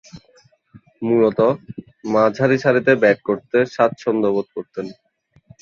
মূলতঃ মাঝারিসারিতে ব্যাট করতে স্বাচ্ছন্দ্যবোধ করতেন।